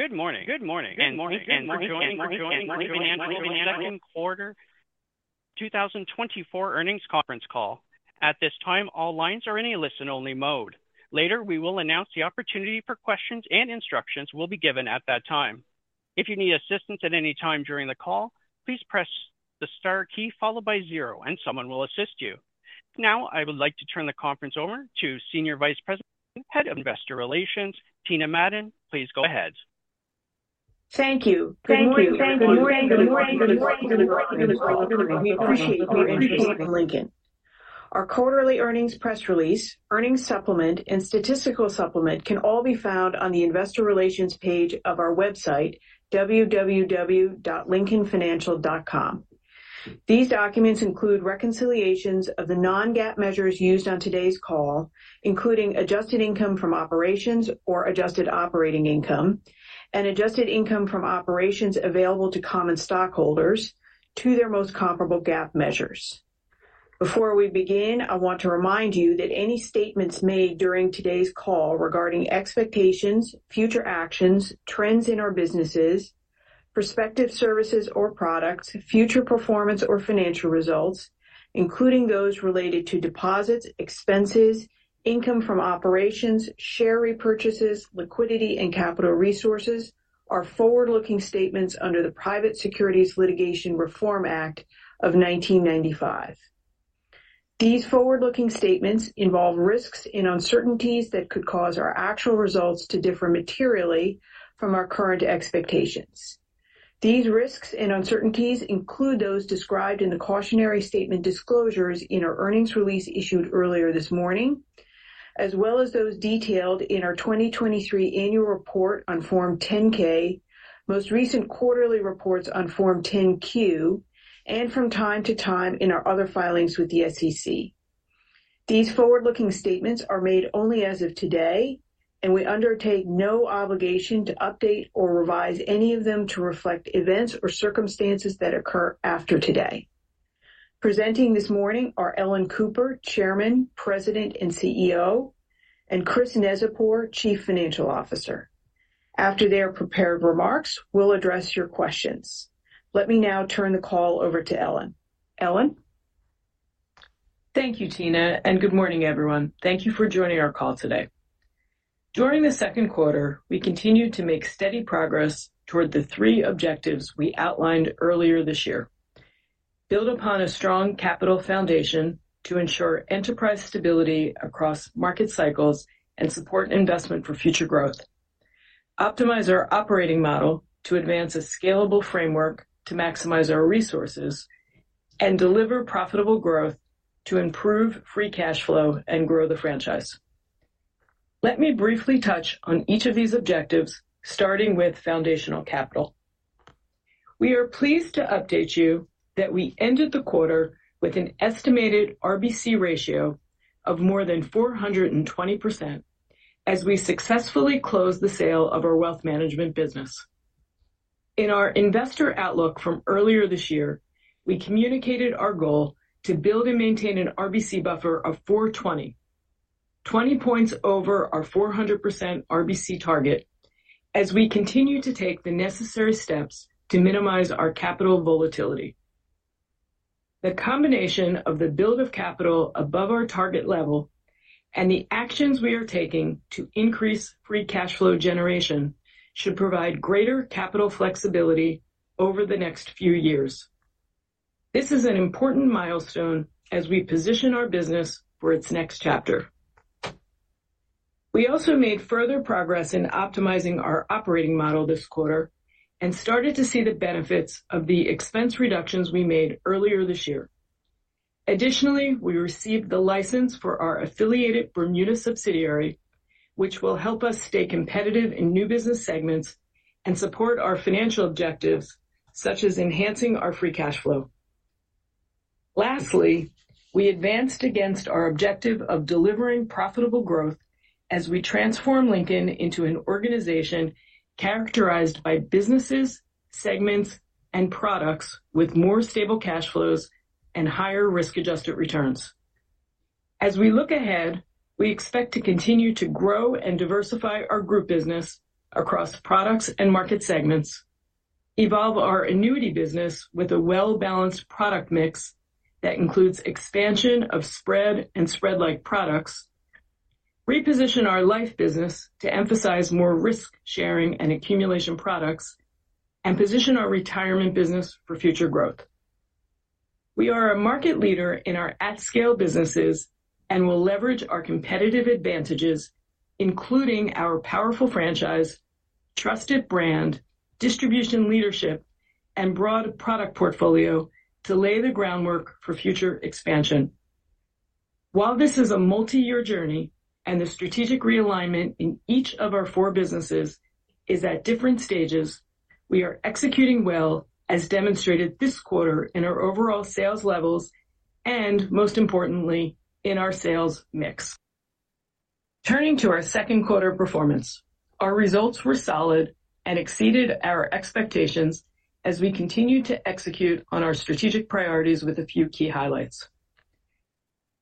Good morning. Second Quarter 2024 Earnings Conference Call. At this time, all lines are in a listen-only mode. Later, we will announce the opportunity for questions, and instructions will be given at that time. If you need assistance at any time during the call, please press the star key followed by zero, and someone will assist you. Now, I would like to turn the conference over to Senior Vice President, Head of Investor Relations, Tina Madon. Please go ahead. Lincoln. Our quarterly earnings press release, earnings supplement, and statistical supplement can all be found on the Investor Relations page of our website, www.lincolnfinancial.com. These documents include reconciliations of the non-GAAP measures used on today's call, including adjusted income from operations or adjusted operating income, and adjusted income from operations available to common stockholders to their most comparable GAAP measures. Before we begin, I want to remind you that any statements made during today's call regarding expectations, future actions, trends in our businesses, prospective services or products, future performance or financial results, including those related to deposits, expenses, income from operations, share repurchases, liquidity, and capital resources, are forward-looking statements under the Private Securities Litigation Reform Act of 1995. These forward-looking statements involve risks and uncertainties that could cause our actual results to differ materially from our current expectations. These risks and uncertainties include those described in the cautionary statement disclosures in our earnings release issued earlier this morning, as well as those detailed in our 2023 annual report on Form 10-K, most recent quarterly reports on Form 10-Q, and from time to time in our other filings with the SEC. These forward-looking statements are made only as of today, and we undertake no obligation to update or revise any of them to reflect events or circumstances that occur after today. Presenting this morning are Ellen Cooper, Chairman, President, and CEO, and Chris Neczypor, Chief Financial Officer. After their prepared remarks, we'll address your questions. Let me now turn the call over to Ellen. Ellen. Thank you, Tina, and good morning, everyone. Thank you for joining our call today. During the second quarter, we continued to make steady progress toward the 3 objectives we outlined earlier this year: build upon a strong capital foundation to ensure enterprise stability across market cycles and support investment for future growth, optimize our operating model to advance a scalable framework to maximize our resources, and deliver profitable growth to improve free cash flow and grow the franchise. Let me briefly touch on each of these objectives, starting with foundational capital. We are pleased to update you that we ended the quarter with an estimated RBC ratio of more than 420% as we successfully closed the sale of our wealth management business. In our investor outlook from earlier this year, we communicated our goal to build and maintain an RBC buffer of 420%, 20 points over our 400% RBC target, as we continue to take the necessary steps to minimize our capital volatility. The combination of the build of capital above our target level and the actions we are taking to increase free cash flow generation should provide greater capital flexibility over the next few years. This is an important milestone as we position our business for its next chapter. We also made further progress in optimizing our operating model this quarter and started to see the benefits of the expense reductions we made earlier this year. Additionally, we received the license for our affiliated Bermuda subsidiary, which will help us stay competitive in new business segments and support our financial objectives, such as enhancing our free cash flow. Lastly, we advanced against our objective of delivering profitable growth as we transform Lincoln into an organization characterized by businesses, segments, and products with more stable cash flows and higher risk-adjusted returns. As we look ahead, we expect to continue to grow and diversify our Group business across products and market segments, evolve our annuity business with a well-balanced product mix that includes expansion of spread and spread-like products, reposition our Life business to emphasize more risk-sharing and accumulation products, and position our retirement business for future growth. We are a market leader in our at-scale businesses and will leverage our competitive advantages, including our powerful franchise, trusted brand, distribution leadership, and broad product portfolio, to lay the groundwork for future expansion. While this is a multi-year journey and the strategic realignment in each of our four businesses is at different stages, we are executing well, as demonstrated this quarter in our overall sales levels and, most importantly, in our sales mix. Turning to our second quarter performance, our results were solid and exceeded our expectations as we continued to execute on our strategic priorities with a few key highlights.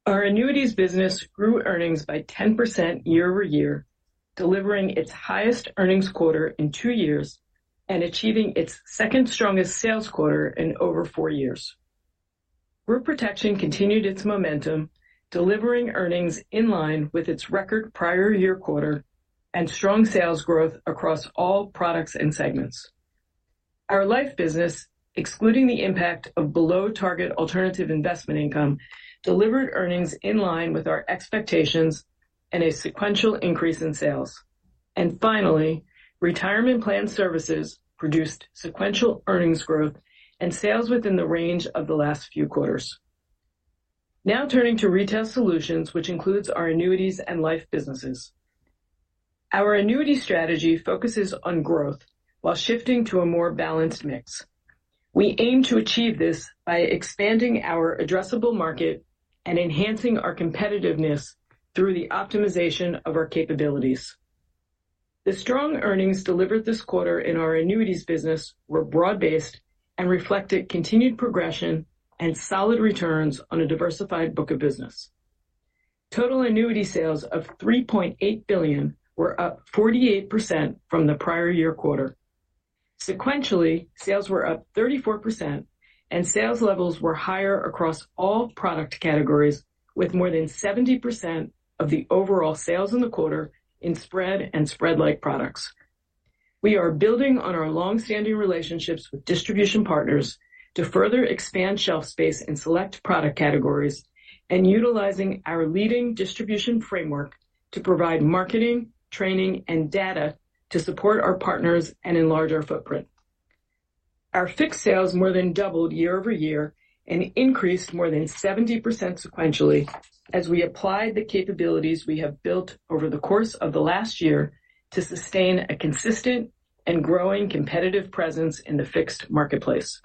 Our Annuities business grew earnings by 10% year-over-year, delivering its highest earnings quarter in two years and achieving its second-strongest sales quarter in over four years. Group Protection continued its momentum, delivering earnings in line with its record prior year quarter and strong sales growth across all products and segments. Our Life business, excluding the impact of below-target alternative investment income, delivered earnings in line with our expectations and a sequential increase in sales. And finally, Retirement Plan Services produced sequential earnings growth and sales within the range of the last few quarters. Now turning to Retail Solutions, which includes our Annuities and Life businesses. Our annuity strategy focuses on growth while shifting to a more balanced mix. We aim to achieve this by expanding our addressable market and enhancing our competitiveness through the optimization of our capabilities. The strong earnings delivered this quarter in our Annuities business were broad-based and reflected continued progression and solid returns on a diversified book of business. Total annuity sales of $3.8 billion were up 48% from the prior year quarter. Sequentially, sales were up 34%, and sales levels were higher across all product categories, with more than 70% of the overall sales in the quarter in spread and spread-like products. We are building on our long-standing relationships with distribution partners to further expand shelf space in select product categories and utilizing our leading distribution framework to provide marketing, training, and data to support our partners and enlarge our footprint. Our fixed sales more than doubled year-over-year and increased more than 70% sequentially as we applied the capabilities we have built over the course of the last year to sustain a consistent and growing competitive presence in the fixed marketplace.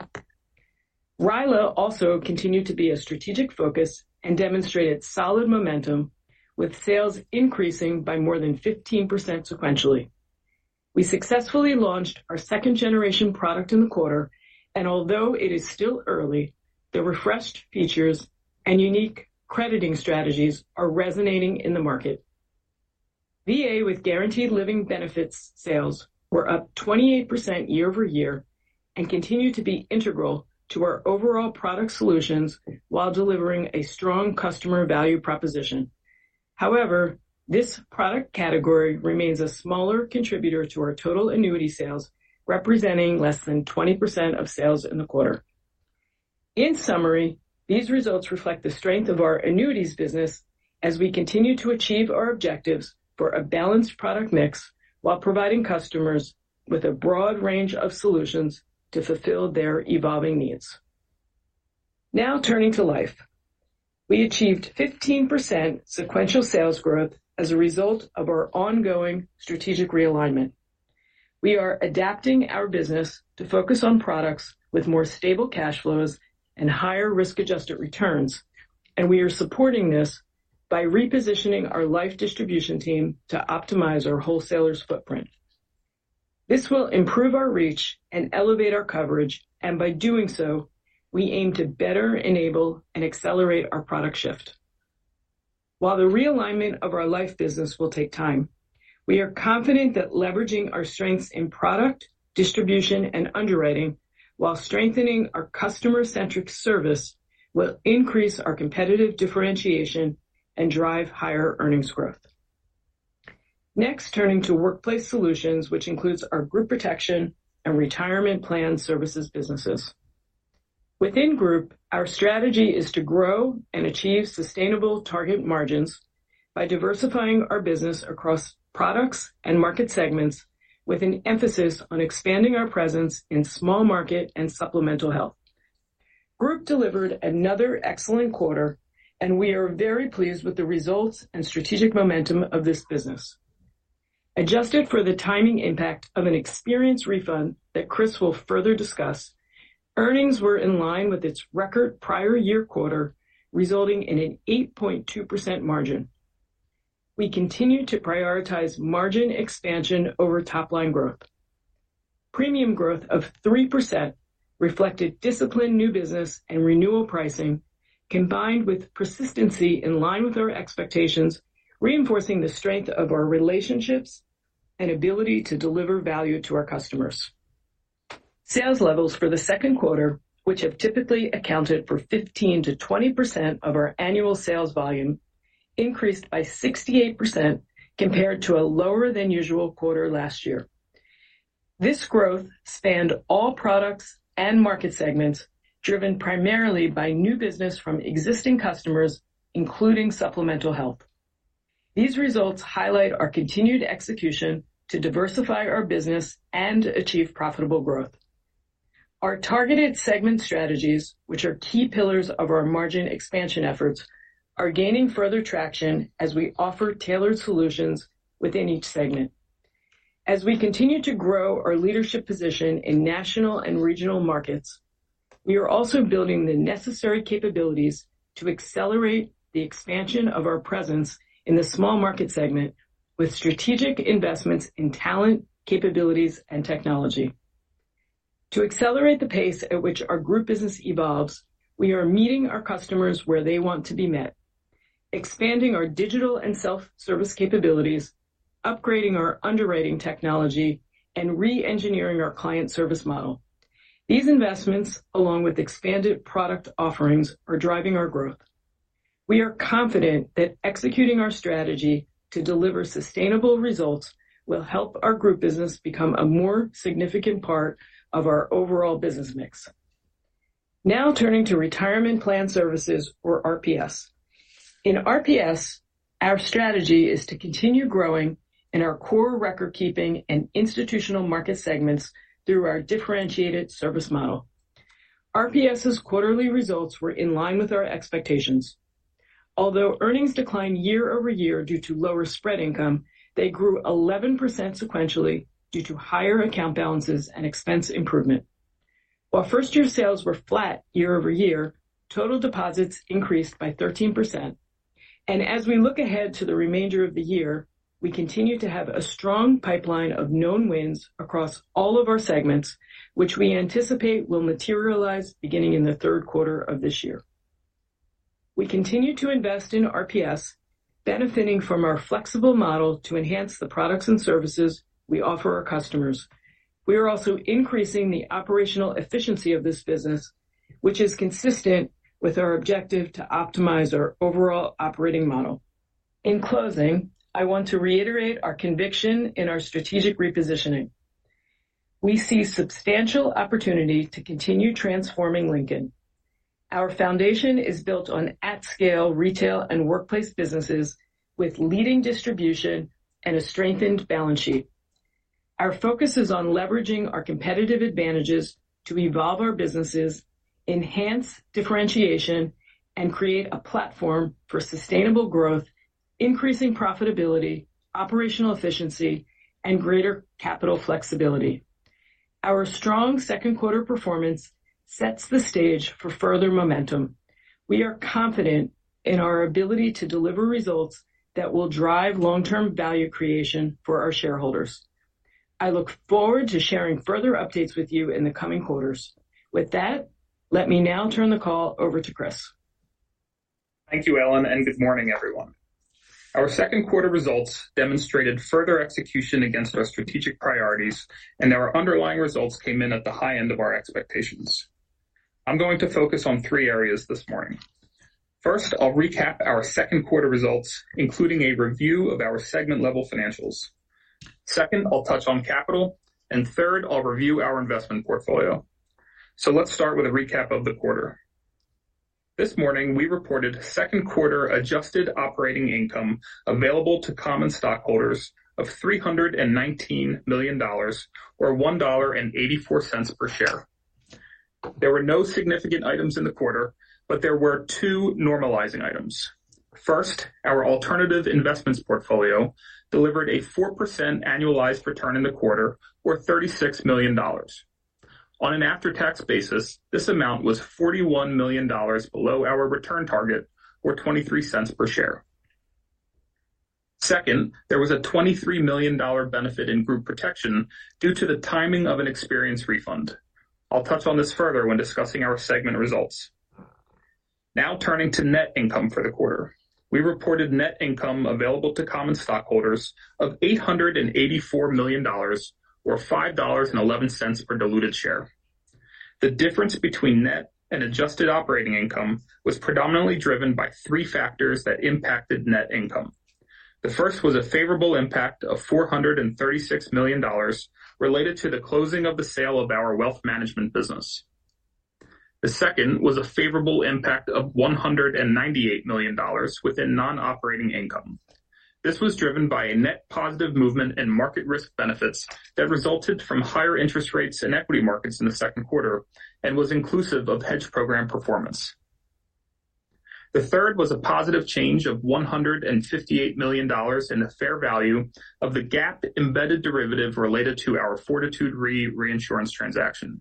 RILA also continued to be a strategic focus and demonstrated solid momentum, with sales increasing by more than 15% sequentially. We successfully launched our second-generation product in the quarter, and although it is still early, the refreshed features and unique crediting strategies are resonating in the market. VA with guaranteed living benefits sales were up 28% year-over-year and continue to be integral to our overall product solutions while delivering a strong customer value proposition. However, this product category remains a smaller contributor to our total annuity sales, representing less than 20% of sales in the quarter. In summary, these results reflect the strength of our Annuities business as we continue to achieve our objectives for a balanced product mix while providing customers with a broad range of solutions to fulfill their evolving needs. Now turning to life. We achieved 15% sequential sales growth as a result of our ongoing strategic realignment. We are adapting our business to focus on products with more stable cash flows and higher risk-adjusted returns, and we are supporting this by repositioning our Life distribution team to optimize our wholesalers' footprint. This will improve our reach and elevate our coverage, and by doing so, we aim to better enable and accelerate our product shift. While the realignment of our Life business will take time, we are confident that leveraging our strengths in product, distribution, and underwriting while strengthening our customer-centric service will increase our competitive differentiation and drive higher earnings growth. Next, turning to Workplace Solutions, which includes our Group Protection and Retirement Plan Services businesses. Within Group, our strategy is to grow and achieve sustainable target margins by diversifying our business across products and market segments, with an emphasis on expanding our presence in small market and supplemental health. Group delivered another excellent quarter, and we are very pleased with the results and strategic momentum of this business. Adjusted for the timing impact of an experience refund that Chris will further discuss, earnings were in line with its record prior year quarter, resulting in an 8.2% margin. We continue to prioritize margin expansion over top-line growth. Premium growth of 3% reflected disciplined new business and renewal pricing, combined with persistency in line with our expectations, reinforcing the strength of our relationships and ability to deliver value to our customers. Sales levels for the second quarter, which have typically accounted for 15%-20% of our annual sales volume, increased by 68% compared to a lower-than-usual quarter last year. This growth spanned all products and market segments, driven primarily by new business from existing customers, including supplemental health. These results highlight our continued execution to diversify our business and achieve profitable growth. Our targeted segment strategies, which are key pillars of our margin expansion efforts, are gaining further traction as we offer tailored solutions within each segment. As we continue to grow our leadership position in national and regional markets, we are also building the necessary capabilities to accelerate the expansion of our presence in the small market segment with strategic investments in talent, capabilities, and technology. To accelerate the pace at which our Group business evolves, we are meeting our customers where they want to be met, expanding our digital and self-service capabilities, upgrading our underwriting technology, and re-engineering our client service model. These investments, along with expanded product offerings, are driving our growth. We are confident that executing our strategy to deliver sustainable results will help our Group business become a more significant part of our overall business mix. Now turning to Retirement Plan Services, or RPS. In RPS, our strategy is to continue growing in our core record-keeping and institutional market segments through our differentiated service model. RPS's quarterly results were in line with our expectations. Although earnings declined year-over-year due to lower spread income, they grew 11% sequentially due to higher account balances and expense improvement. While first-year sales were flat year-over-year, total deposits increased by 13%. As we look ahead to the remainder of the year, we continue to have a strong pipeline of known wins across all of our segments, which we anticipate will materialize beginning in the third quarter of this year. We continue to invest in RPS, benefiting from our flexible model to enhance the products and services we offer our customers. We are also increasing the operational efficiency of this business, which is consistent with our objective to optimize our overall operating model. In closing, I want to reiterate our conviction in our strategic repositioning. We see substantial opportunity to continue transforming Lincoln. Our foundation is built on at-scale retail and workplace businesses with leading distribution and a strengthened balance sheet. Our focus is on leveraging our competitive advantages to evolve our businesses, enhance differentiation, and create a platform for sustainable growth, increasing profitability, operational efficiency, and greater capital flexibility. Our strong second quarter performance sets the stage for further momentum. We are confident in our ability to deliver results that will drive long-term value creation for our shareholders. I look forward to sharing further updates with you in the coming quarters. With that, let me now turn the call over to Chris. Thank you, Ellen, and good morning, everyone. Our second quarter results demonstrated further execution against our strategic priorities, and our underlying results came in at the high end of our expectations. I'm going to focus on three areas this morning. First, I'll recap our second quarter results, including a review of our segment-level financials. Second, I'll touch on capital, and third, I'll review our investment portfolio. So let's start with a recap of the quarter. This morning, we reported second quarter adjusted operating income available to common stockholders of $319 million, or $1.84 per share. There were no significant items in the quarter, but there were two normalizing items. First, our alternative investments portfolio delivered a 4% annualized return in the quarter, or $36 million. On an after-tax basis, this amount was $41 million below our return target, or $0.23 per share. Second, there was a $23 million benefit in Group Protection due to the timing of an experience refund. I'll touch on this further when discussing our segment results. Now turning to net income for the quarter, we reported net income available to common stockholders of $884 million, or $5.11 per diluted share. The difference between net and adjusted operating income was predominantly driven by three factors that impacted net income. The first was a favorable impact of $436 million related to the closing of the sale of our wealth management business. The second was a favorable impact of $198 million within non-operating income. This was driven by a net positive movement in market risk benefits that resulted from higher interest rates in equity markets in the second quarter and was inclusive of hedge program performance. The third was a positive change of $158 million in the fair value of the GAAP embedded derivative related to our Fortitude Re reinsurance transaction.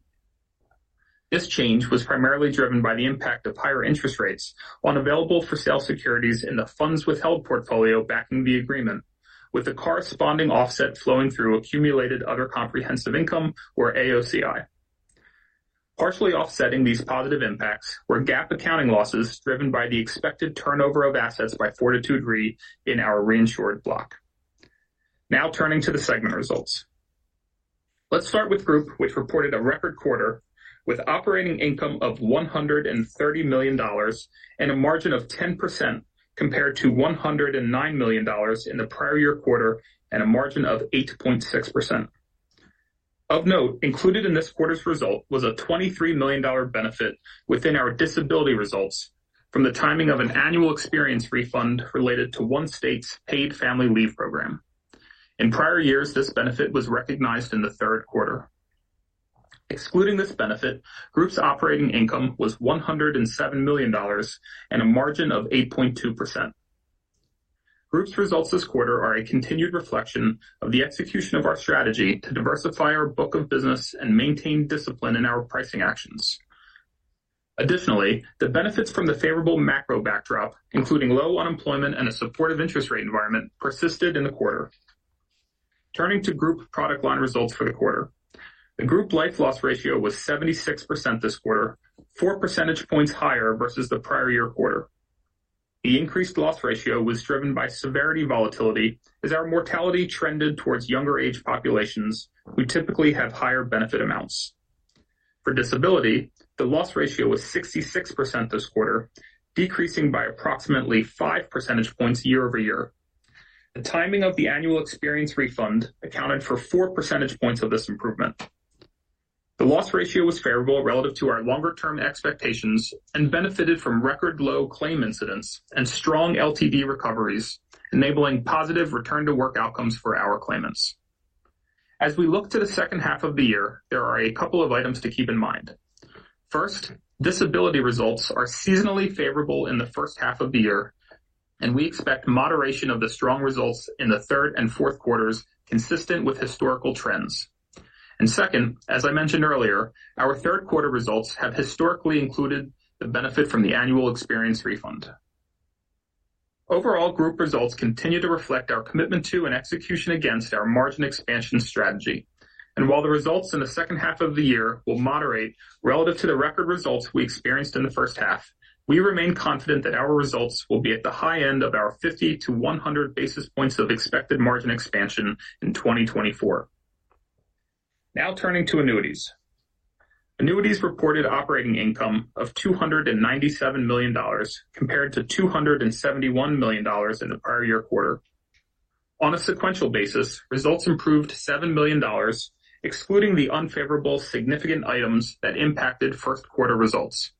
This change was primarily driven by the impact of higher interest rates on available-for-sale securities in the funds withheld portfolio backing the agreement, with the corresponding offset flowing through accumulated other comprehensive income, or AOCI. Partially offsetting these positive impacts were GAAP accounting losses driven by the expected turnover of assets by Fortitude Re in our reinsured block. Now turning to the segment results. Let's start with Group, which reported a record quarter with operating income of $130 million and a margin of 10% compared to $109 million in the prior year quarter and a margin of 8.6%. Of note, included in this quarter's result was a $23 million benefit within our disability results from the timing of an annual experience refund related to one state's paid family leave program. In prior years, this benefit was recognized in the third quarter. Excluding this benefit, Group's operating income was $107 million and a margin of 8.2%. Group's results this quarter are a continued reflection of the execution of our strategy to diversify our book of business and maintain discipline in our pricing actions. Additionally, the benefits from the favorable macro backdrop, including low unemployment and a supportive interest rate environment, persisted in the quarter. Turning to Group product line results for the quarter, the Group Life loss ratio was 76% this quarter, four percentage points higher versus the prior year quarter. The increased loss ratio was driven by severity volatility as our mortality trended towards younger age populations who typically have higher benefit amounts. For disability, the loss ratio was 66% this quarter, decreasing by approximately 5 percentage points year-over-year. The timing of the annual experience refund accounted for 4 percentage points of this improvement. The loss ratio was favorable relative to our longer-term expectations and benefited from record-low claim incidents and strong LTD recoveries, enabling positive return-to-work outcomes for our claimants. As we look to the second half of the year, there are a couple of items to keep in mind. First, disability results are seasonally favorable in the first half of the year, and we expect moderation of the strong results in the third and fourth quarters consistent with historical trends. Second, as I mentioned earlier, our third quarter results have historically included the benefit from the annual experience refund. Overall, group results continue to reflect our commitment to and execution against our margin expansion strategy. And while the results in the second half of the year will moderate relative to the record results we experienced in the first half, we remain confident that our results will be at the high end of our 50-100 basis points of expected margin expansion in 2024. Now turning to annuities. Annuities reported operating income of $297 million compared to $271 million in the prior year quarter. On a sequential basis, results improved $7 million, excluding the unfavorable significant items that impacted first quarter results.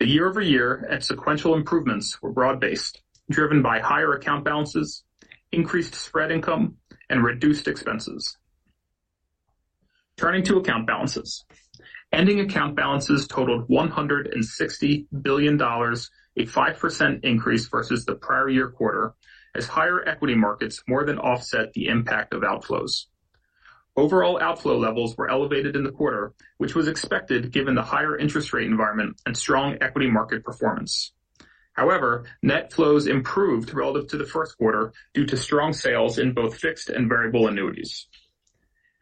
The year-over-year and sequential improvements were broad-based, driven by higher account balances, increased spread income, and reduced expenses. Turning to account balances. Ending account balances totaled $160 billion, a 5% increase versus the prior year quarter, as higher equity markets more than offset the impact of outflows. Overall outflow levels were elevated in the quarter, which was expected given the higher interest rate environment and strong equity market performance. However, net flows improved relative to the first quarter due to strong sales in both fixed and variable annuities.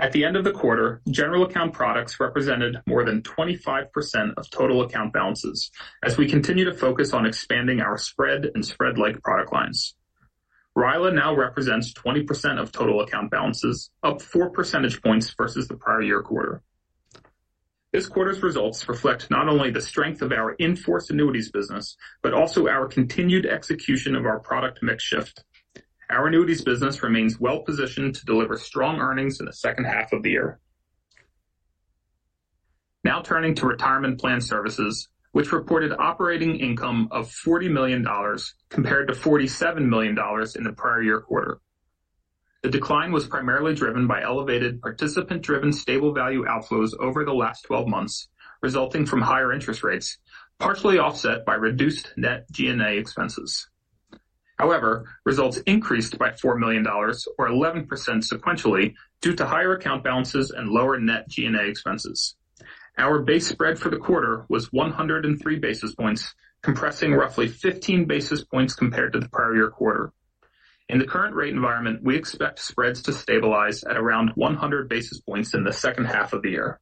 At the end of the quarter, general account products represented more than 25% of total account balances as we continue to focus on expanding our spread and spread-like product lines. RILA now represents 20% of total account balances, up 4 percentage points versus the prior year quarter. This quarter's results reflect not only the strength of our in-force Annuities business, but also our continued execution of our product mix shift. Our Annuities business remains well-positioned to deliver strong earnings in the second half of the year. Now turning to Retirement Plan Services, which reported operating income of $40 million compared to $47 million in the prior year quarter. The decline was primarily driven by elevated participant-driven stable value outflows over the last 12 months, resulting from higher interest rates, partially offset by reduced net G&A expenses. However, results increased by $4 million, or 11% sequentially, due to higher account balances and lower net G&A expenses. Our base spread for the quarter was 103 basis points, compressing roughly 15 basis points compared to the prior year quarter. In the current rate environment, we expect spreads to stabilize at around 100 basis points in the second half of the year.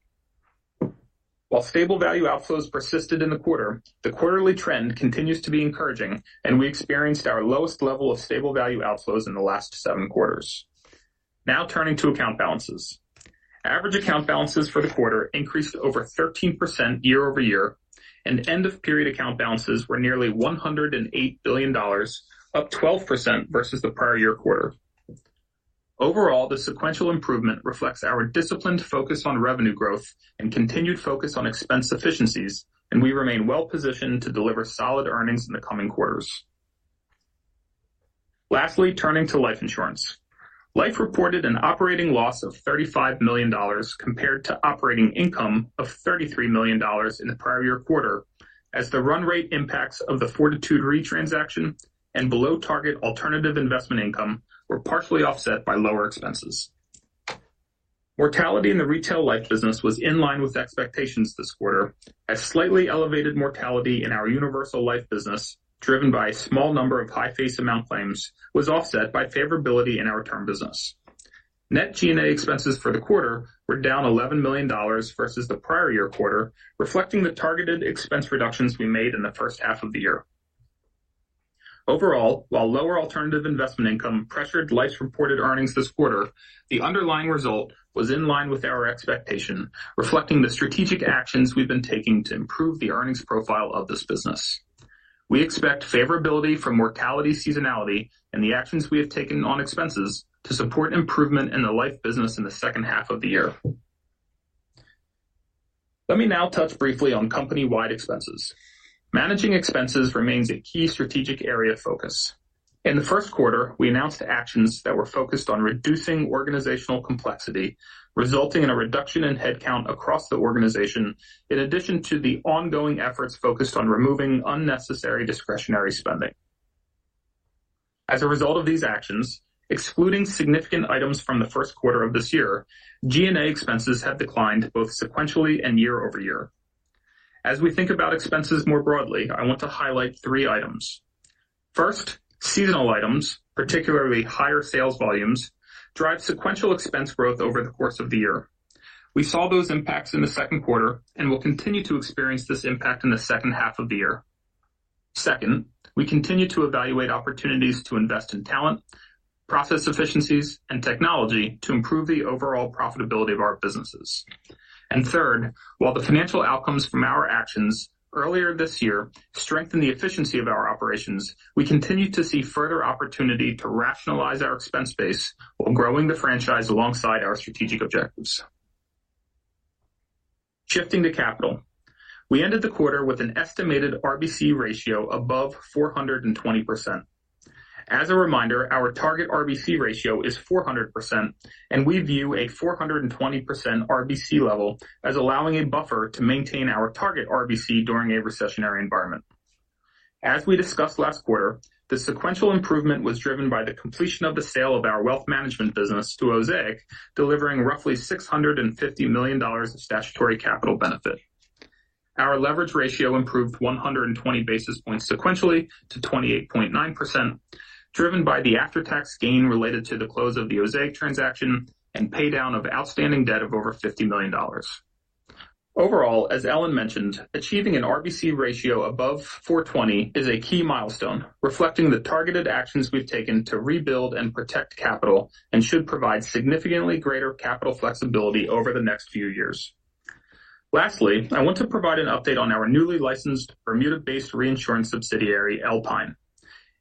While stable value outflows persisted in the quarter, the quarterly trend continues to be encouraging, and we experienced our lowest level of stable value outflows in the last seven quarters. Now turning to account balances. Average account balances for the quarter increased over 13% year-over-year, and end-of-period account balances were nearly $108 billion, up 12% versus the prior year quarter. Overall, the sequential improvement reflects our disciplined focus on revenue growth and continued focus on expense efficiencies, and we remain well-positioned to deliver solid earnings in the coming quarters. Lastly, turning to Life insurance. Life reported an operating loss of $35 million compared to operating income of $33 million in the prior year quarter, as the run rate impacts of the Fortitude Re transaction and below target alternative investment income were partially offset by lower expenses. Mortality in the retail Life business was in line with expectations this quarter, as slightly elevated mortality in our Universal Life business, driven by a small number of high face amount claims, was offset by favorability in our term business. Net G&A expenses for the quarter were down $11 million versus the prior year quarter, reflecting the targeted expense reductions we made in the first half of the year. Overall, while lower alternative investment income pressured Life's reported earnings this quarter, the underlying result was in line with our expectation, reflecting the strategic actions we've been taking to improve the earnings profile of this business. We expect favorability from mortality seasonality and the actions we have taken on expenses to support improvement in the Life business in the second half of the year. Let me now touch briefly on company-wide expenses. Managing expenses remains a key strategic area of focus. In the first quarter, we announced actions that were focused on reducing organizational complexity, resulting in a reduction in headcount across the organization, in addition to the ongoing efforts focused on removing unnecessary discretionary spending. As a result of these actions, excluding significant items from the first quarter of this year, G&A expenses have declined both sequentially and year-over-year. As we think about expenses more broadly, I want to highlight three items. First, seasonal items, particularly higher sales volumes, drive sequential expense growth over the course of the year. We saw those impacts in the second quarter and will continue to experience this impact in the second half of the year. Second, we continue to evaluate opportunities to invest in talent, process efficiencies, and technology to improve the overall profitability of our businesses. And third, while the financial outcomes from our actions earlier this year strengthen the efficiency of our operations, we continue to see further opportunity to rationalize our expense base while growing the franchise alongside our strategic objectives. Shifting to capital, we ended the quarter with an estimated RBC ratio above 420%. As a reminder, our target RBC ratio is 400%, and we view a 420% RBC level as allowing a buffer to maintain our target RBC during a recessionary environment. As we discussed last quarter, the sequential improvement was driven by the completion of the sale of our wealth management business to Osaic, delivering roughly $650 million of statutory capital benefit. Our leverage ratio improved 120 basis points sequentially to 28.9%, driven by the after-tax gain related to the close of the Osaic transaction and paydown of outstanding debt of over $50 million. Overall, as Ellen mentioned, achieving an RBC ratio above 420 is a key milestone, reflecting the targeted actions we've taken to rebuild and protect capital and should provide significantly greater capital flexibility over the next few years. Lastly, I want to provide an update on our newly licensed Bermuda-based reinsurance subsidiary, Alpine.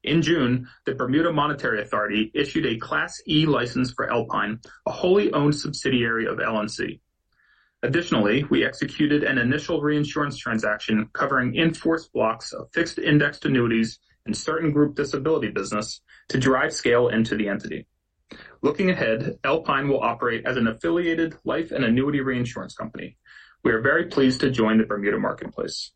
In June, the Bermuda Monetary Authority issued a Class E license for Alpine, a wholly owned subsidiary of LNC. Additionally, we executed an initial reinsurance transaction covering in-force blocks of fixed indexed annuities and certain group disability business to drive scale into the entity. Looking ahead, Alpine will operate as an affiliated Life and Annuity reinsurance company. We are very pleased to join the Bermuda marketplace.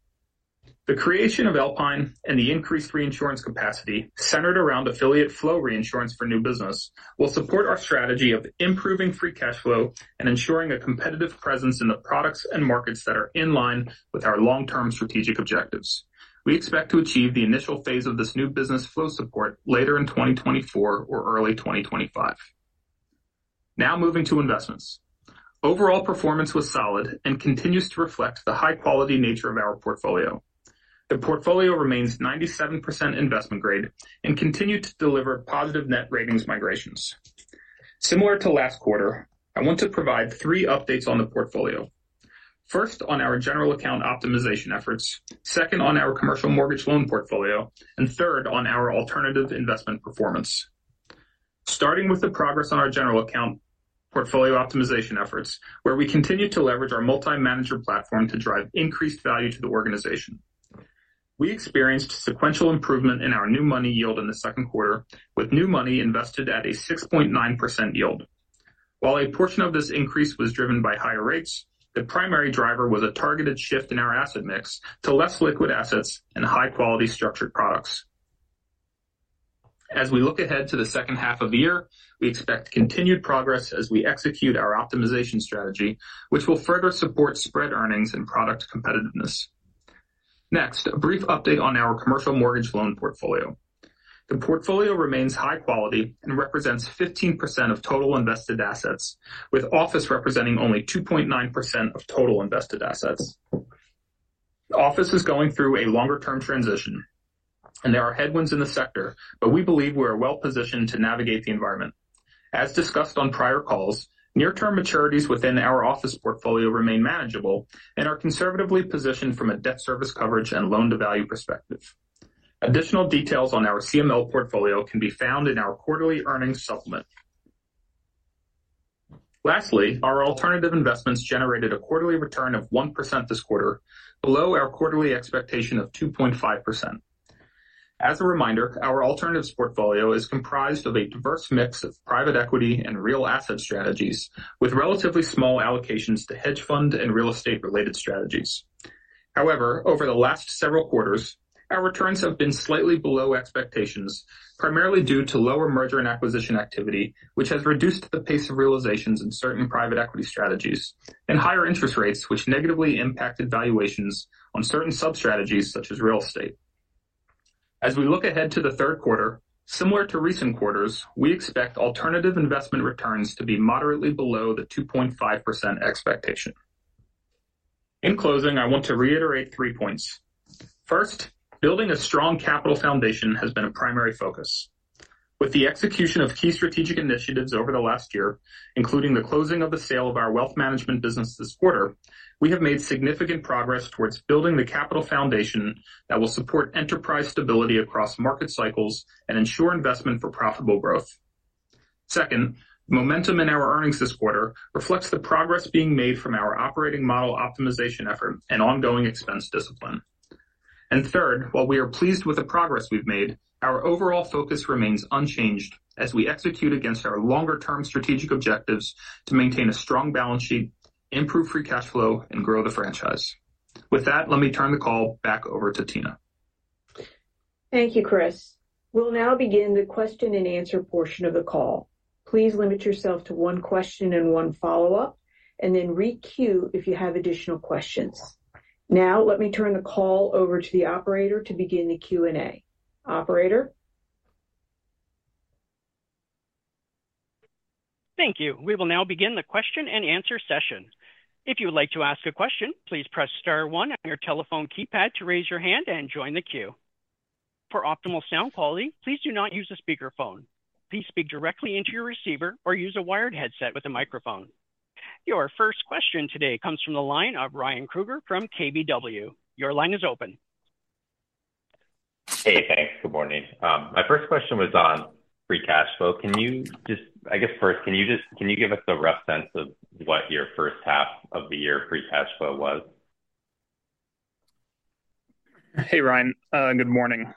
The creation of Alpine and the increased reinsurance capacity centered around affiliate flow reinsurance for new business will support our strategy of improving free cash flow and ensuring a competitive presence in the products and markets that are in line with our long-term strategic objectives. We expect to achieve the initial phase of this new business flow support later in 2024 or early 2025. Now moving to investments. Overall performance was solid and continues to reflect the high-quality nature of our portfolio. The portfolio remains 97% investment grade and continued to deliver positive net ratings migrations. Similar to last quarter, I want to provide three updates on the portfolio. First, on our General Account optimization efforts, second on our commercial mortgage loan portfolio, and third on our alternative investment performance. Starting with the progress on our General Account portfolio optimization efforts, where we continue to leverage our multi-manager platform to drive increased value to the organization. We experienced sequential improvement in our new money yield in the second quarter, with new money invested at a 6.9% yield. While a portion of this increase was driven by higher rates, the primary driver was a targeted shift in our asset mix to less liquid assets and high-quality structured products. As we look ahead to the second half of the year, we expect continued progress as we execute our optimization strategy, which will further support spread earnings and product competitiveness. Next, a brief update on our commercial mortgage loan portfolio. The portfolio remains high quality and represents 15% of total invested assets, with office representing only 2.9% of total invested assets. Office is going through a longer-term transition, and there are headwinds in the sector, but we believe we are well-positioned to navigate the environment. As discussed on prior calls, near-term maturities within our office portfolio remain manageable and are conservatively positioned from a debt service coverage and loan-to-value perspective. Additional details on our CML portfolio can be found in our quarterly earnings supplement. Lastly, our alternative investments generated a quarterly return of 1% this quarter, below our quarterly expectation of 2.5%. As a reminder, our alternatives portfolio is comprised of a diverse mix of private equity and real asset strategies, with relatively small allocations to hedge fund and real estate-related strategies. However, over the last several quarters, our returns have been slightly below expectations, primarily due to lower merger and acquisition activity, which has reduced the pace of realizations in certain private equity strategies, and higher interest rates, which negatively impacted valuations on certain sub-strategies such as real estate. As we look ahead to the third quarter, similar to recent quarters, we expect alternative investment returns to be moderately below the 2.5% expectation. In closing, I want to reiterate three points. First, building a strong capital foundation has been a primary focus. With the execution of key strategic initiatives over the last year, including the closing of the sale of our wealth management business this quarter, we have made significant progress towards building the capital foundation that will support enterprise stability across market cycles and ensure investment for profitable growth. Second, momentum in our earnings this quarter reflects the progress being made from our operating model optimization effort and ongoing expense discipline. Third, while we are pleased with the progress we've made, our overall focus remains unchanged as we execute against our longer-term strategic objectives to maintain a strong balance sheet, improve free cash flow, and grow the franchise. With that, let me turn the call back over to Tina. Thank you, Chris. We'll now begin the question-and-answer portion of the call. Please limit yourself to one question and one follow-up, and then re-queue if you have additional questions. Now, let me turn the call over to the operator to begin the Q&A. Operator. Thank you. We will now begin the question-and-answer session. If you would like to ask a question, please press star one on your telephone keypad to raise your hand and join the queue. For optimal sound quality, please do not use a speakerphone. Please speak directly into your receiver or use a wired headset with a microphone. Your first question today comes from the line of Ryan Krueger from KBW. Your line is open. Hey, thanks. Good morning. My first question was on free cash flow. Can you just, I guess, first, give us a rough sense of what your first half of the year free cash flow was? Hey, Ryan. Good morning.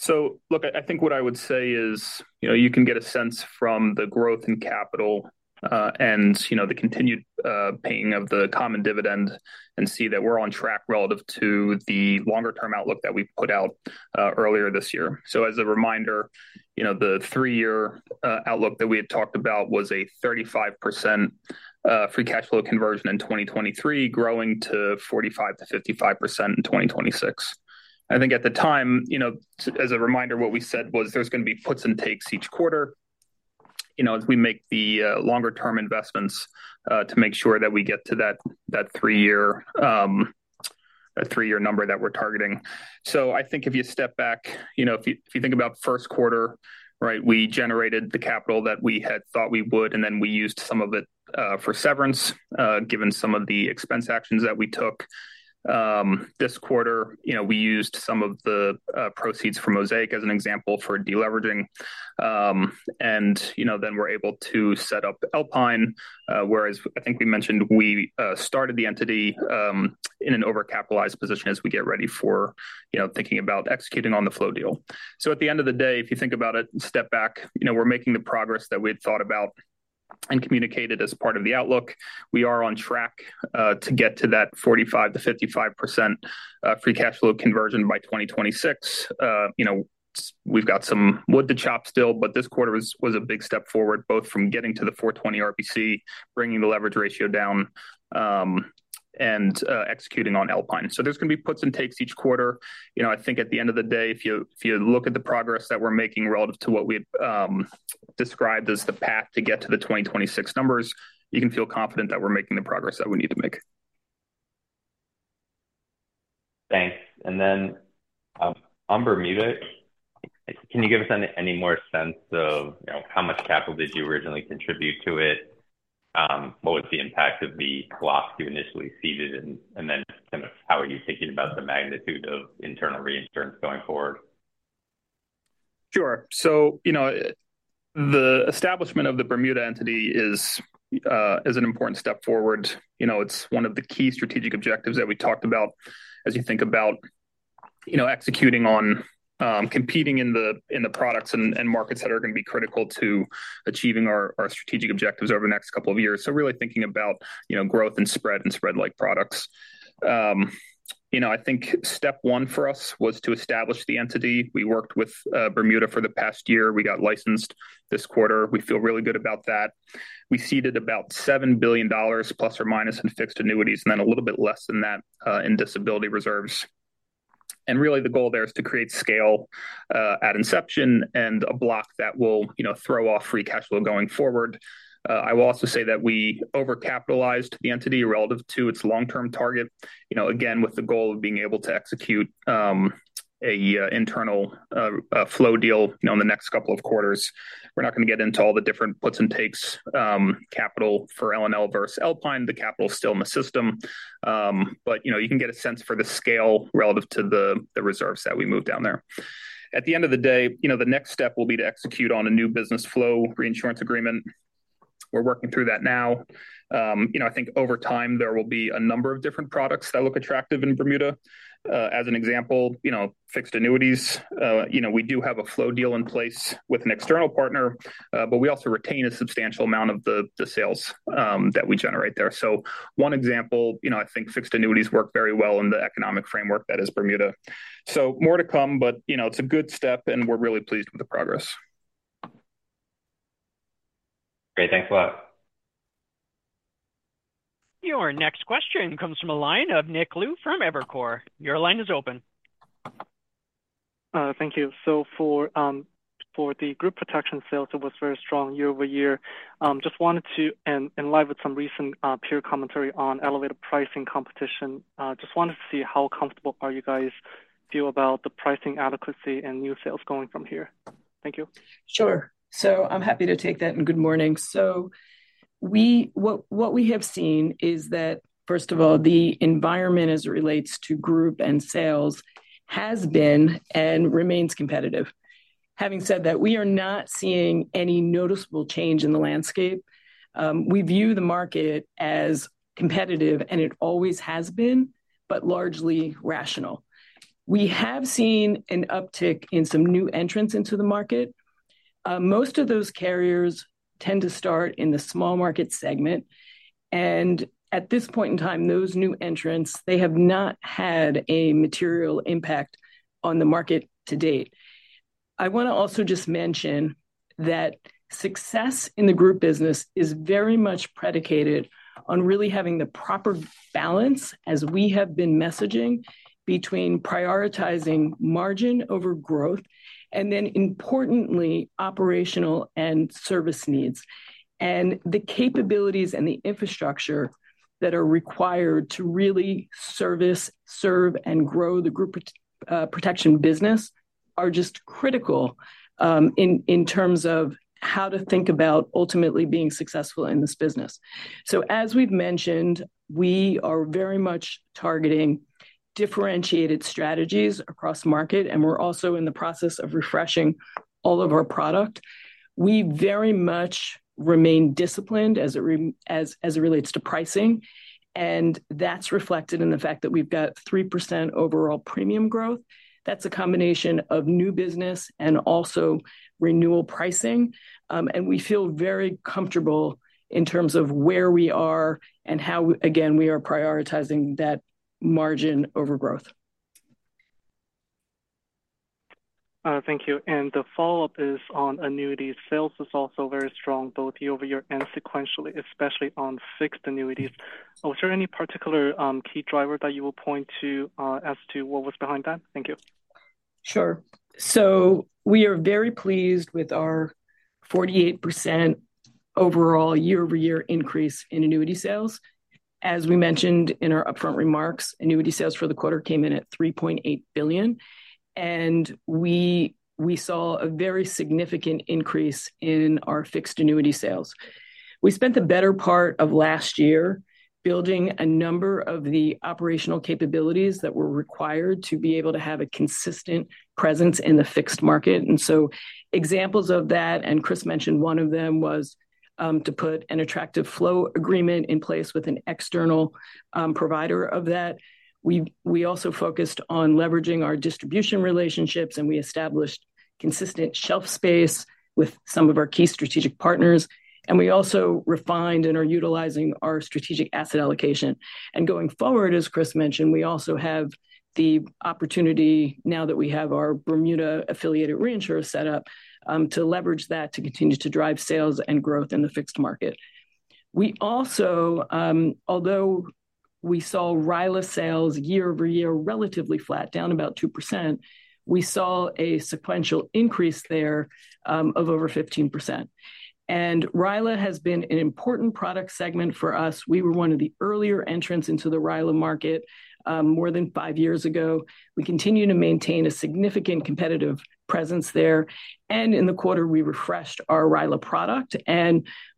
So look, I think what I would say is you can get a sense from the growth in capital and the continued paying of the common dividend and see that we're on track relative to the longer-term outlook that we put out earlier this year. So as a reminder, the three-year outlook that we had talked about was a 35% free cash flow conversion in 2023, growing to 45%-55% in 2026. I think at the time, as a reminder, what we said was there's going to be puts and takes each quarter as we make the longer-term investments to make sure that we get to that three-year number that we're targeting. So I think if you step back, if you think about first quarter, right, we generated the capital that we had thought we would, and then we used some of it for severance, given some of the expense actions that we took. This quarter, we used some of the proceeds from Osaic as an example for deleveraging. And then we're able to set up Alpine, whereas I think we mentioned we started the entity in an overcapitalized position as we get ready for thinking about executing on the flow deal. So at the end of the day, if you think about it, step back, we're making the progress that we had thought about and communicated as part of the outlook. We are on track to get to that 45%-55% free cash flow conversion by 2026. We've got some wood to chop still, but this quarter was a big step forward, both from getting to the 420 RBC, bringing the leverage ratio down, and executing on Alpine. So there's going to be puts and takes each quarter. I think at the end of the day, if you look at the progress that we're making relative to what we described as the path to get to the 2026 numbers, you can feel confident that we're making the progress that we need to make. Thanks. And then on Bermuda, can you give us any more sense of how much capital did you originally contribute to it? What was the impact of the block you initially seeded? And then kind of how are you thinking about the magnitude of internal reinsurance going forward? Sure. So the establishment of the Bermuda entity is an important step forward. It's one of the key strategic objectives that we talked about as you think about executing on competing in the products and markets that are going to be critical to achieving our strategic objectives over the next couple of years. So really thinking about growth and spread and spread-like products. I think step one for us was to establish the entity. We worked with Bermuda for the past year. We got licensed this quarter. We feel really good about that. We seeded about $7 billion ± in fixed annuities, and then a little bit less than that in disability reserves. Really the goal there is to create scale at inception and a block that will throw off free cash flow going forward. I will also say that we overcapitalized the entity relative to its long-term target, again, with the goal of being able to execute an internal flow deal in the next couple of quarters. We're not going to get into all the different puts and takes capital for LNL versus Alpine. The capital is still in the system. But you can get a sense for the scale relative to the reserves that we moved down there. At the end of the day, the next step will be to execute on a new business flow reinsurance agreement. We're working through that now. I think over time, there will be a number of different products that look attractive in Bermuda. As an example, fixed annuities, we do have a flow deal in place with an external partner, but we also retain a substantial amount of the sales that we generate there. So one example, I think fixed annuities work very well in the economic framework that is Bermuda. So more to come, but it's a good step, and we're really pleased with the progress. Great. Thanks a lot. Your next question comes from the line of Nick Lu from Evercore. Your line is open. Thank you. So for the Group Protection sales, it was very strong year-over-year. Just wanted to, in light of some recent peer commentary on elevated pricing competition, just wanted to see how comfortable are you guys feel about the pricing adequacy and new sales going from here. Thank you. Sure. So I'm happy to take that. And good morning. So what we have seen is that, first of all, the environment as it relates to group and sales has been and remains competitive. Having said that, we are not seeing any noticeable change in the landscape. We view the market as competitive, and it always has been, but largely rational. We have seen an uptick in some new entrants into the market. Most of those carriers tend to start in the small market segment. At this point in time, those new entrants, they have not had a material impact on the market to date. I want to also just mention that success in the group business is very much predicated on really having the proper balance, as we have been messaging, between prioritizing margin over growth, and then, importantly, operational and service needs. The capabilities and the infrastructure that are required to really service and grow the Group Protection business are just critical in terms of how to think about ultimately being successful in this business. So as we've mentioned, we are very much targeting differentiated strategies across the market, and we're also in the process of refreshing all of our product. We very much remain disciplined as it relates to pricing, and that's reflected in the fact that we've got 3% overall premium growth. That's a combination of new business and also renewal pricing. And we feel very comfortable in terms of where we are and how, again, we are prioritizing that margin over growth. Thank you. And the follow-up is on Annuities. Sales is also very strong, both year-over-year and sequentially, especially on fixed annuities. Was there any particular key driver that you will point to as to what was behind that? Thank you. Sure. So we are very pleased with our 48% overall year-over-year increase in annuity sales. As we mentioned in our upfront remarks, annuity sales for the quarter came in at $3.8 billion. We saw a very significant increase in our fixed annuity sales. We spent the better part of last year building a number of the operational capabilities that were required to be able to have a consistent presence in the fixed market. So examples of that, and Chris mentioned one of them was to put an attractive flow agreement in place with an external provider of that. We also focused on leveraging our distribution relationships, and we established consistent shelf space with some of our key strategic partners. And we also refined and are utilizing our strategic asset allocation. Going forward, as Chris mentioned, we also have the opportunity now that we have our Bermuda-affiliated reinsurer set up to leverage that to continue to drive sales and growth in the fixed market. We also, although we saw RILA sales year-over-year relatively flat, down about 2%, we saw a sequential increase there of over 15%. RILA has been an important product segment for us. We were one of the earlier entrants into the RILA market more than five years ago. We continue to maintain a significant competitive presence there. In the quarter, we refreshed our RILA product.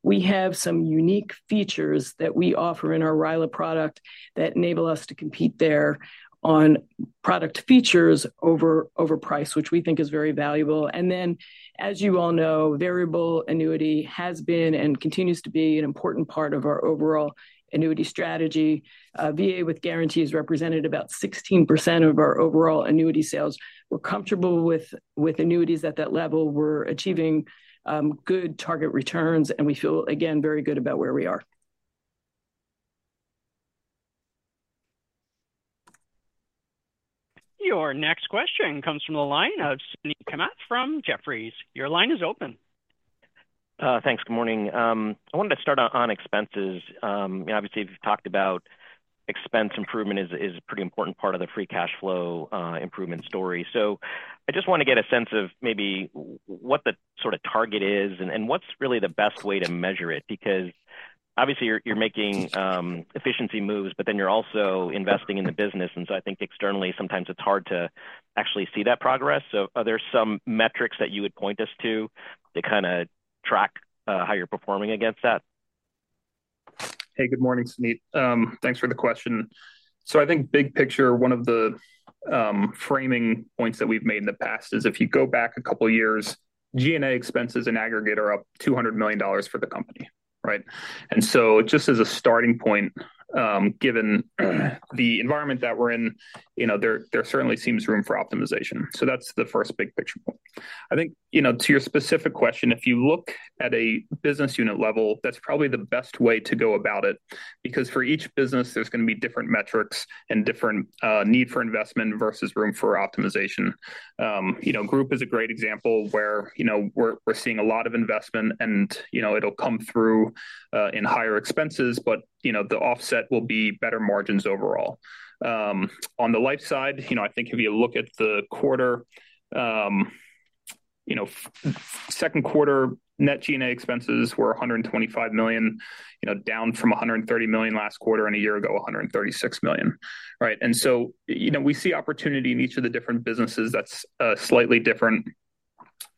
We have some unique features that we offer in our RILA product that enable us to compete there on product features over price, which we think is very valuable. And then, as you all know, variable annuity has been and continues to be an important part of our overall annuity strategy. VA with guarantees represented about 16% of our overall annuity sales. We're comfortable with annuities at that level. We're achieving good target returns, and we feel, again, very good about where we are. Your next question comes from the line of Suneet Kamath from Jefferies. Your line is open. Thanks. Good morning. I wanted to start on expenses. Obviously, we've talked about expense improvement is a pretty important part of the free cash flow improvement story. So I just want to get a sense of maybe what the sort of target is and what's really the best way to measure it. Because obviously, you're making efficiency moves, but then you're also investing in the business. And so I think externally, sometimes it's hard to actually see that progress. So are there some metrics that you would point us to to kind of track how you're performing against that? Hey, good morning, Suneet. Thanks for the question. So I think big picture, one of the framing points that we've made in the past is if you go back a couple of years, G&A expenses in aggregate are up $200 million for the company, right? And so just as a starting point, given the environment that we're in, there certainly seems room for optimization. So that's the first big picture point. I think to your specific question, if you look at a business unit level, that's probably the best way to go about it. Because for each business, there's going to be different metrics and different need for investment versus room for optimization. Group is a great example where we're seeing a lot of investment, and it'll come through in higher expenses, but the offset will be better margins overall. On the Life side, I think if you look at the quarter, second quarter net G&A expenses were $125 million, down from $130 million last quarter, and a year ago, $136 million, right? And so we see opportunity in each of the different businesses. That's slightly different.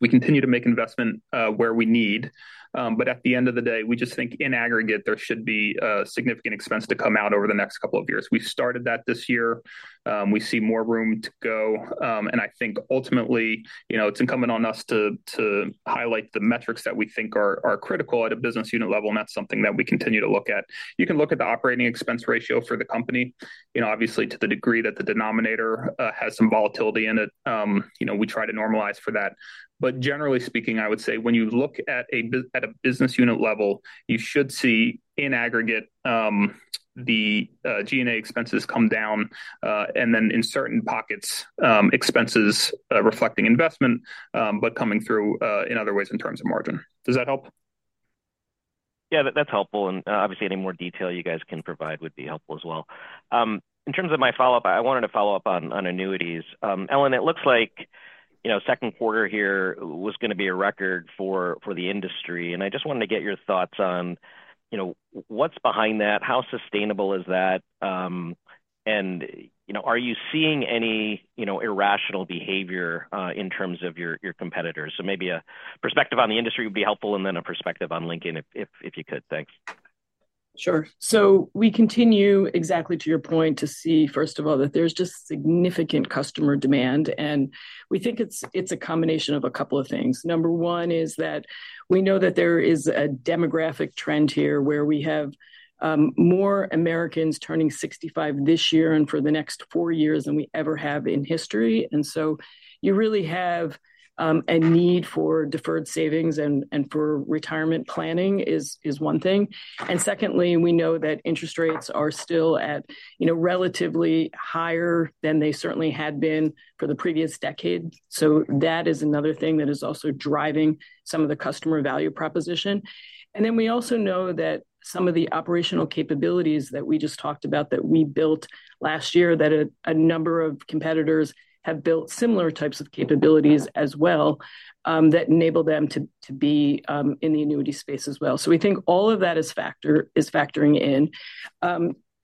We continue to make investment where we need. But at the end of the day, we just think in aggregate, there should be a significant expense to come out over the next couple of years. We started that this year. We see more room to go. I think ultimately, it's incumbent on us to highlight the metrics that we think are critical at a business unit level, and that's something that we continue to look at. You can look at the operating expense ratio for the company. Obviously, to the degree that the denominator has some volatility in it, we try to normalize for that. But generally speaking, I would say when you look at a business unit level, you should see in aggregate the G&A expenses come down, and then in certain pockets, expenses reflecting investment, but coming through in other ways in terms of margin. Does that help? Yeah, that's helpful. Obviously, any more detail you guys can provide would be helpful as well. In terms of my follow-up, I wanted to follow up on Annuities. Ellen, it looks like second quarter here was going to be a record for the industry. I just wanted to get your thoughts on what's behind that? How sustainable is that? And are you seeing any irrational behavior in terms of your competitors? Maybe a perspective on the industry would be helpful, and then a perspective on Lincoln, if you could. Thanks. Sure. We continue, exactly to your point, to see, first of all, that there's just significant customer demand. And we think it's a combination of a couple of things. Number one is that we know that there is a demographic trend here where we have more Americans turning 65 this year and for the next four years than we ever have in history. So you really have a need for deferred savings and for retirement planning is one thing. And secondly, we know that interest rates are still at relatively higher than they certainly had been for the previous decade. So that is another thing that is also driving some of the customer value proposition. And then we also know that some of the operational capabilities that we just talked about that we built last year, that a number of competitors have built similar types of capabilities as well that enable them to be in the annuity space as well. So we think all of that is factoring in.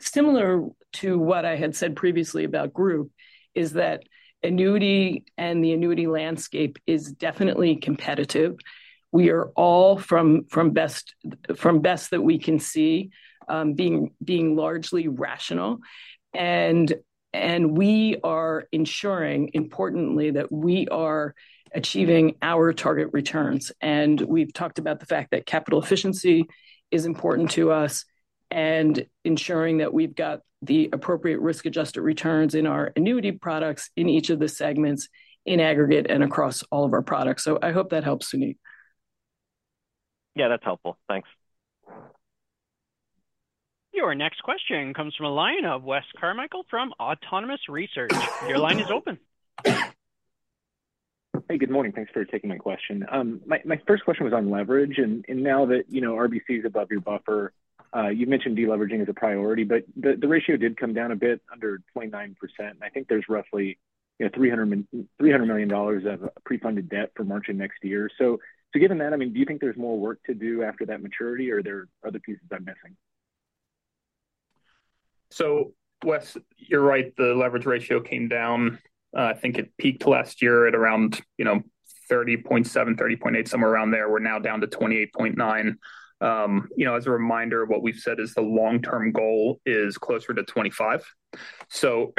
Similar to what I had said previously about group, is that the annuity and the annuity landscape is definitely competitive. We are all, from what we can see, being largely rational. And we are ensuring, importantly, that we are achieving our target returns. We've talked about the fact that capital efficiency is important to us and ensuring that we've got the appropriate risk-adjusted returns in our annuity products in each of the segments in aggregate and across all of our products. So I hope that helps, Suneet. Yeah, that's helpful. Thanks. Your next question comes from Wes Carmichael from Autonomous Research. Your line is open. Hey, good morning. Thanks for taking my question. My first question was on leverage. Now that RBC is above your buffer, you mentioned deleveraging as a priority, but the ratio did come down a bit under 29%. And I think there's roughly $300 million of pre-funded debt for March of next year. So given that, I mean, do you think there's more work to do after that maturity, or are there other pieces I'm missing? So you're right. The leverage ratio came down. I think it peaked last year at around 30.7, 30.8, somewhere around there. We're now down to 28.9. As a reminder, what we've said is the long-term goal is closer to 25. So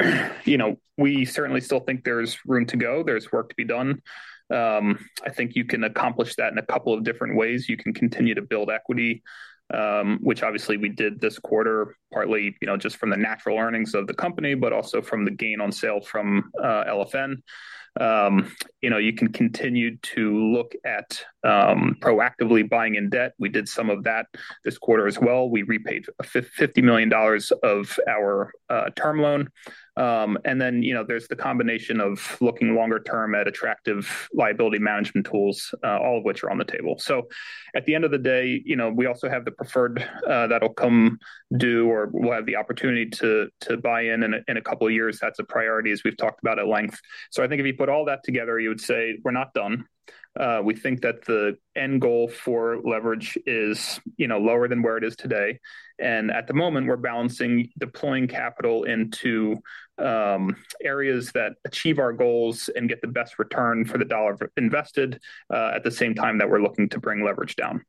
we certainly still think there's room to go. There's work to be done. I think you can accomplish that in a couple of different ways. You can continue to build equity, which obviously we did this quarter partly just from the natural earnings of the company, but also from the gain on sale from LFN. You can continue to look at proactively buying in debt. We did some of that this quarter as well. We repaid $50 million of our term loan. And then there's the combination of looking longer term at attractive liability management tools, all of which are on the table. So at the end of the day, we also have the preferred that'll come due or we'll have the opportunity to buy in in a couple of years. That's a priority, as we've talked about at length. So I think if you put all that together, you would say we're not done. We think that the end goal for leverage is lower than where it is today. And at the moment, we're balancing deploying capital into areas that achieve our goals and get the best return for the dollar invested at the same time that we're looking to bring leverage down.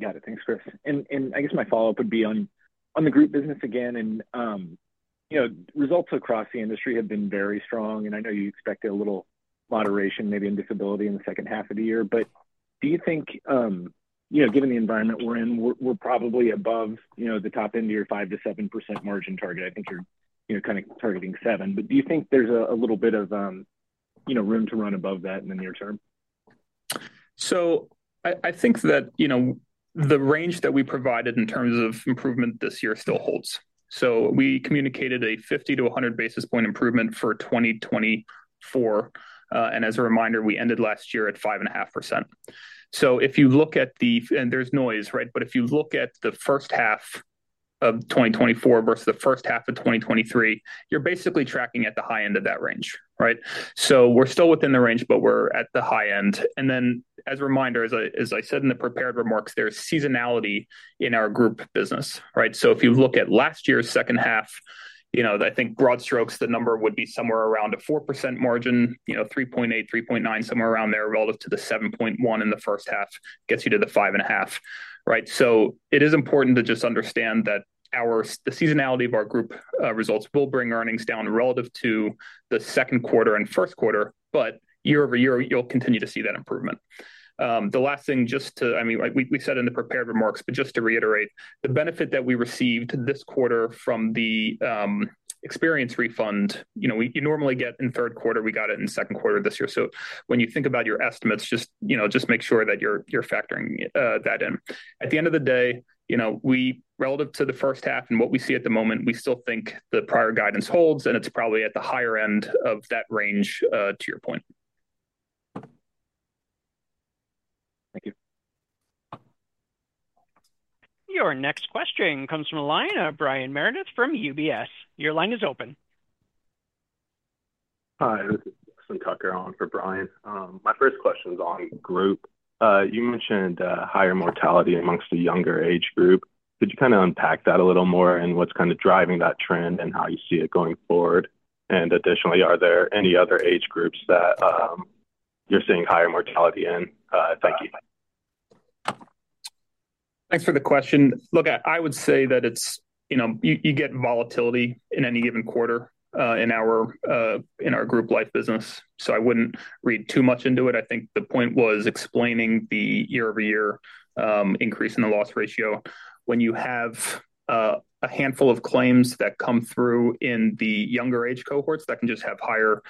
Got it. Thanks, Chris. And I guess my follow-up would be on the group business again. And results across the industry have been very strong. And I know you expected a little moderation, maybe in disability in the second half of the year. But do you think, given the environment we're in, we're probably above the top end of your 5%-7% margin target? I think you're kind of targeting 7%. But do you think there's a little bit of room to run above that in the near term? So I think that the range that we provided in terms of improvement this year still holds. So we communicated a 50-100 basis point improvement for 2024. And as a reminder, we ended last year at 5.5%. So if you look at the, and there's noise, right? But if you look at the first half of 2024 versus the first half of 2023, you're basically tracking at the high end of that range, right? So we're still within the range, but we're at the high end. And then, as a reminder, as I said in the prepared remarks, there's seasonality in our Group business, right? So if you look at last year's second half, I think broad strokes, the number would be somewhere around a 4% margin, 3.8, 3.9, somewhere around there relative to the 7.1 in the first half gets you to the 5.5, right? So it is important to just understand that the seasonality of our Group results will bring earnings down relative to the second quarter and first quarter, but year-over-year, you'll continue to see that improvement. The last thing, just to—I mean, we said in the prepared remarks, but just to reiterate, the benefit that we received this quarter from the experience refund, you normally get in third quarter. We got it in second quarter this year. So when you think about your estimates, just make sure that you're factoring that in. At the end of the day, relative to the first half and what we see at the moment, we still think the prior guidance holds, and it's probably at the higher end of that range, to your point. Thank you. Your next question comes from analyst Brian Meredith from UBS. Your line is open. Hi, this is on for Brian. My first question is on Group. You mentioned higher mortality among the younger age group. Could you kind of unpack that a little more and what's kind of driving that trend and how you see it going forward? And additionally, are there any other age groups that you're seeing higher mortality in? Thank you. Thanks for the question. Look, I would say that you get volatility in any given quarter in our Group Life business. So I wouldn't read too much into it. I think the point was explaining the year-over-year increase in the loss ratio. When you have a handful of claims that come through in the younger age cohorts, that can just have higher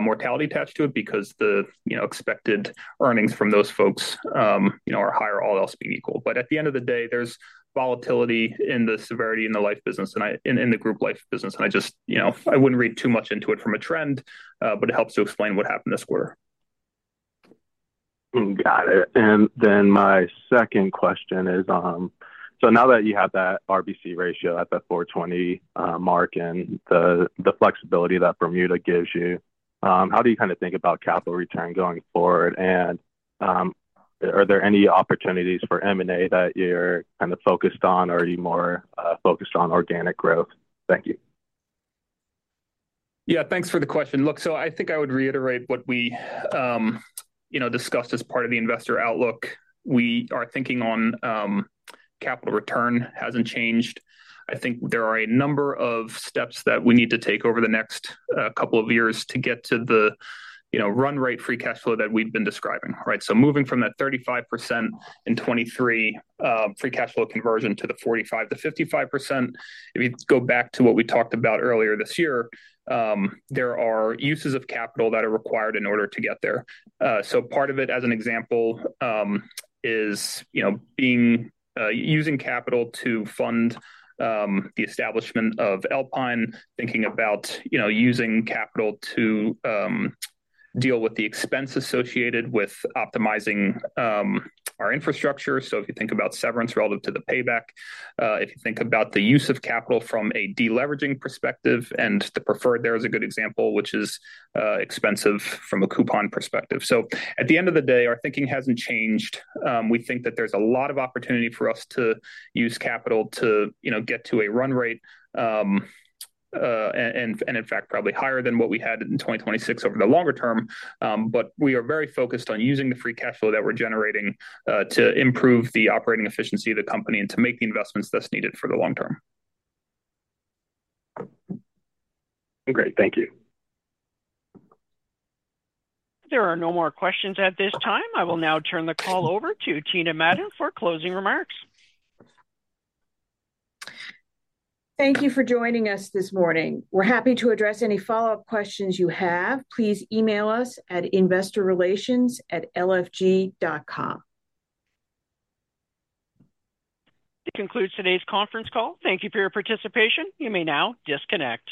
mortality attached to it because the expected earnings from those folks are higher, all else being equal. But at the end of the day, there's volatility in the severity in the Life business and in the Group Life business. And I wouldn't read too much into it from a trend, but it helps to explain what happened this quarter. Got it. And then my second question is, so now that you have that RBC ratio at the 420 mark and the flexibility that Bermuda gives you, how do you kind of think about capital return going forward? And are there any opportunities for M&A that you're kind of focused on, or are you more focused on organic growth? Thank you. Yeah, thanks for the question. Look, so I think I would reiterate what we discussed as part of the investor outlook. We are thinking on capital return hasn't changed. I think there are a number of steps that we need to take over the next couple of years to get to the run rate free cash flow that we've been describing, right? So moving from that 35% in 2023 free cash flow conversion to the 45%-55%, if you go back to what we talked about earlier this year, there are uses of capital that are required in order to get there. So part of it, as an example, is using capital to fund the establishment of Alpine, thinking about using capital to deal with the expense associated with optimizing our infrastructure. So if you think about severance relative to the payback, if you think about the use of capital from a deleveraging perspective, and the preferred there is a good example, which is expensive from a coupon perspective. So at the end of the day, our thinking hasn't changed. We think that there's a lot of opportunity for us to use capital to get to a run rate and, in fact, probably higher than what we had in 2026 over the longer term. But we are very focused on using the free cash flow that we're generating to improve the operating efficiency of the company and to make the investments that's needed for the long term. Great. Thank you. There are no more questions at this time. I will now turn the call over to Tina Madon for closing remarks. Thank you for joining us this morning. We're happy to address any follow-up questions you have. Please email us at investorrelations@lfg.com. It concludes today's conference call. Thank you for your participation. You may now disconnect.